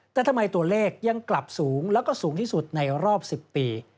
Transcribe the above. แต่ทำไมตัวเลขยังกลับสูงแล้วก็สูงที่สุดในรอบ๑๐ปี